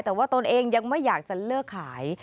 แต่ว่าตนเองยังไม่อยากจะเลิกขาย